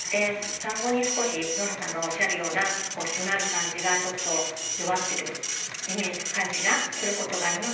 そこにノラさんのおっしゃるような締まる感じが弱っている感じがすることもあります。